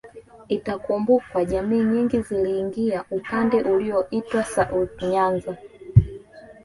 Itakumbukwa jamii nyingi ziliingia upande ulioitwa South Nyanza